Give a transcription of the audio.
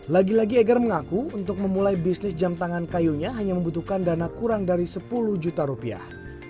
lagi lagi eger mengaku untuk memulai bisnis jam tangan kayunya hanya membutuhkan dana kurang dari sepuluh juta rupiah